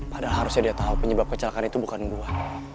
padahal harusnya dia tau penyebab kecelakaan itu bukan gue